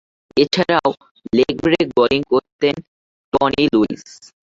এছাড়াও, leg break bowling করতেন Tony Luis.